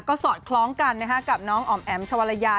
ก็สอดคล้องกันนะครับกับน้องอ๋อมแอมชวรรยา